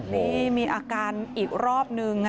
นี่มีอาการอีกรอบนึง